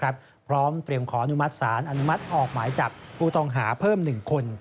พร้อมเตรียมขออนุมัติศาลอนุมัติออกหมายจับผู้ต้องหาเพิ่ม๑คน